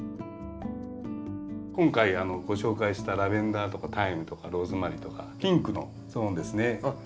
今回ご紹介したラベンダーとかタイムとかローズマリーとかピンクのゾーンですね。